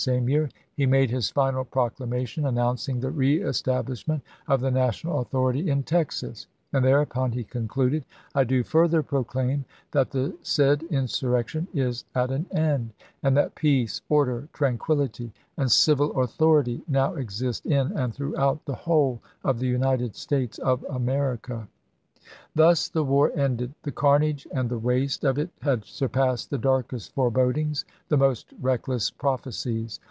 same year, he made his final proclamation, an nouncing the reestablishment of the national authority in Texas, and thereupon he concluded, " I do further proclaim that the said insurrection is at an end, and that peace, order, tranquillity, and civil authority now exist in and throughout the whole of the United States of America." Thus the war ended. The carnage and the waste of it had surpassed the darkest forebodings, the most reckless prophecies.